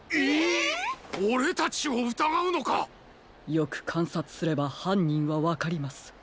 よくかんさつすればはんにんはわかります。